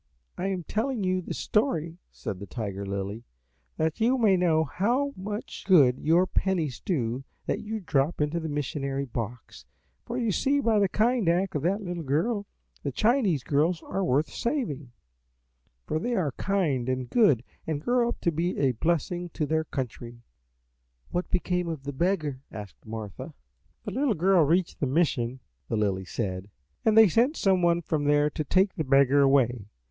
"I am telling you this story," said the Tiger Lily, "that you may know how much good your pennies do that you drop into the missionary box, for you see by the kind act of that little girl the Chinese girls are worth saving, for they are kind and good and grow up to be a blessing to their country." "What became of the beggar?" asked Martha. "The little girl reached the mission," the Lily said, "and they sent some one from there to take the beggar away.